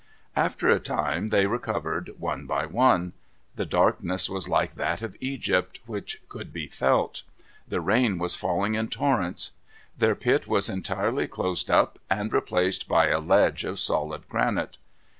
After a time they recovered one by one. The darkness was like that of Egypt, which could be felt. The rain was falling in torrents. Their pit was entirely closed up, and replaced by a ledge of solid granite.